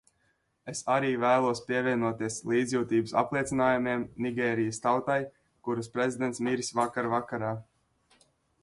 Es arī vēlos pievienoties līdzjūtības apliecinājumiem Nigērijas tautai, kuras prezidents miris vakar vakarā.